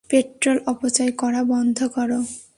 Petrol অপচয় করা বন্ধ করো?